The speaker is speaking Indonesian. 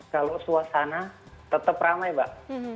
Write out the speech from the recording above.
kalau suasana tetap ramai pak